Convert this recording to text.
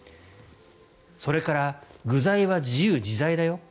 それから、具材は自由自在だよ。